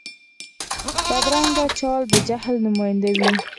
بدرنګه چال د جهل نماینده وي